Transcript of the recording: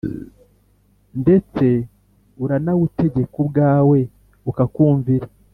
Ndets’ uranawutegek’ ubwaw’ ukakumvira